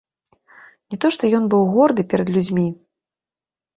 Не то што ён быў горды перад людзьмі.